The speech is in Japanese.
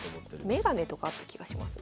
眼鏡とかあった気がします。